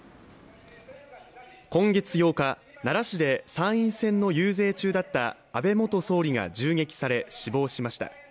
今月８日、奈良市で参院選の遊説中だった安倍元総理が銃撃され、死亡しました。